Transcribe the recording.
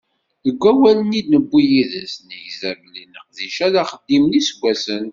Deg wawal i d-newwi yid-s, negza belli leqdic-a, d axeddim n yiseggasen.